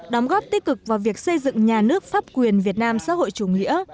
đóng góp tích cực vào việc xây dựng nhà nước pháp quyền việt nam xã hội chủ nghĩa